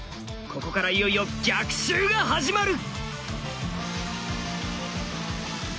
ここからいよいよ逆襲が始まる！